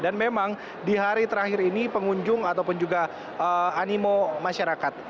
dan memang di hari terakhir ini pengunjung ataupun juga animo masyarakat